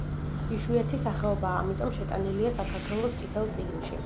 იშვიათი სახეობაა, ამიტომ შეტანილია საქართველოს წითელ წიგნში.